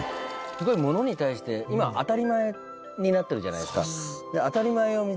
すごいものに対して今当たり前になってるじゃないですか。